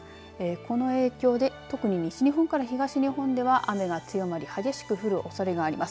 この影響で特に西日本から東日本では雨が強まり激しく降るおそれがあります。